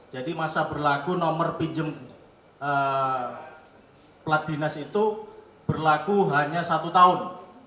jadi masa berlaku nomor pinjam plat dinas itu berlaku hanya satu tahun